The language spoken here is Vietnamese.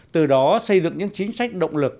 từ đó xây dựng những chính sách động lực